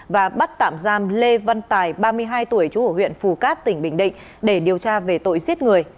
và bắt tạm giam lê văn tài ba mươi hai tuổi chú ở huyện phù cát tỉnh bình định để điều tra về tội giết người